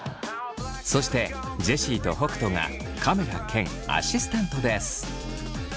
そしてジェシーと北斗がカメラ兼アシスタントです。